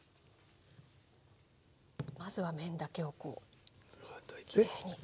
まずは麺だけをこうきれいに。